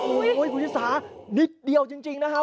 อุ๊ยคุณศีรษะนิดเดียวจริงนะครับ